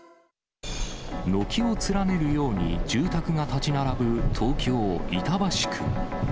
軒を連ねるように住宅が建ち並ぶ東京・板橋区。